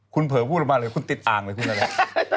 คุณเผลอพูดมาเลยคุณติดอ่างเลยคุณอะไร